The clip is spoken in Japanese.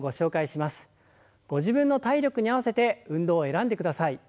ご自分の体力に合わせて運動を選んでください。